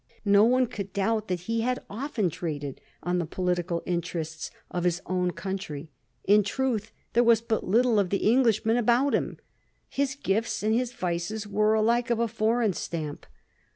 No one could doubt that be had often traded on the political interests of his own coun try. In truth, there was but little of the Englishman about him. His gifts and his vices were alike of a foreign stamp.